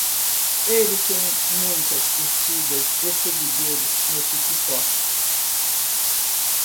Ele tem muitas curtidas e seguidores no TikTok